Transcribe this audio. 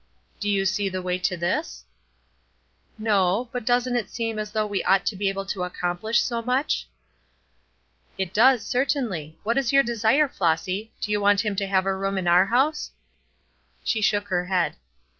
"Do you see the way to this?" "No, but doesn't it seem as though we ought to be able to accomplish so much?" "It does, certainly. What is your desire, Flossy? Do you want him to have a room in our house?" She shook her head.